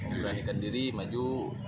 memperhatikan diri maju